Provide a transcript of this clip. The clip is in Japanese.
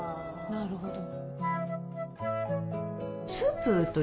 なるほど。